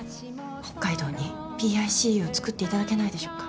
北海道にＰＩＣＵを作っていただけないでしょうか。